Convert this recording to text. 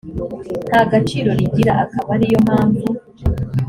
nta gaciro rigira akaba ari yo mpamvu